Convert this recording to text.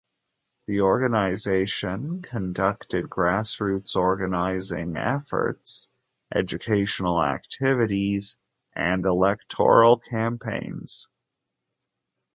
The organization conducted grassroots organizing efforts, educational activities, and electoral campaigns.